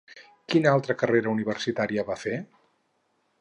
Quina altra carrera universitària va fer?